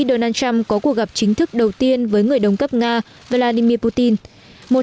donald trump có cuộc gặp chính thức đầu tiên với người đồng cấp nga vladimir putin